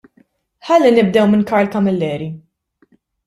Ħalli nibdew minn Karl Camilleri.